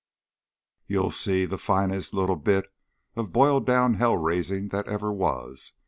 You'll see the finest little bit of boiled down hell raising that ever was!